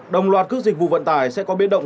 đồng loạt các dịch vụ vận tải sẽ có biến động